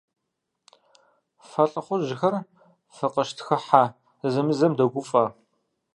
Фэ лӀыхъужьхэр фыкъыщытхыхьэ зэзэмызэм догуфӀэ.